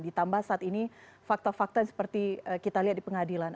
ditambah saat ini fakta fakta yang seperti kita lihat di pengadilan